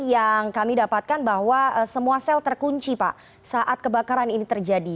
yang kami dapatkan bahwa semua sel terkunci pak saat kebakaran ini terjadi